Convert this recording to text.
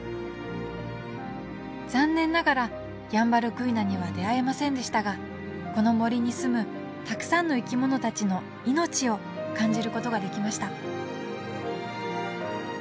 残念ながらヤンバルクイナには出会えませんでしたがこの森に住むたくさんの生き物たちの命を感じることができました